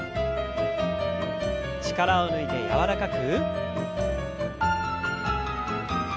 力を抜いて柔らかく。